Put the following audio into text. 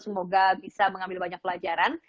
semoga bisa mengambil banyak pelajaran